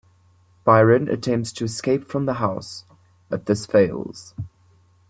Byron attempts to escape from the house, but this fails.